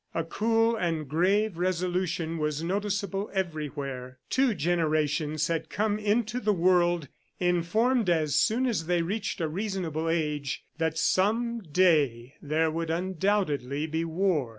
A cool and grave resolution was noticeable everywhere. Two generations had come into the world, informed as soon as they reached a reasonable age, that some day there would undoubtedly be war.